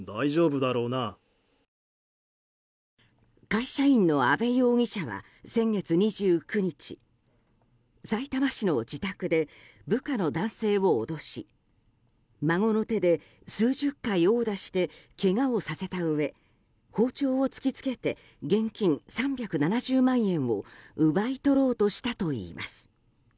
会社員の阿部容疑者は先月２９日さいたま市の自宅で部下の男性を脅し孫の手で数十回、殴打してけがをさせたうえ包丁を突き付けて現金３７０万円を奪い取ろうとしたといいます。